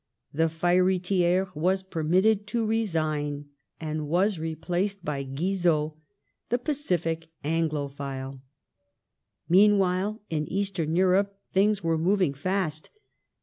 The fiery Thiers was permitted to resign and was replaced by Guizot, the pacific Anglophil. Meanwhile, in Eastern Europe things were moving fast.